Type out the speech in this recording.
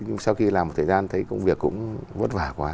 nhưng sau khi làm một thời gian thấy công việc cũng vất vả quá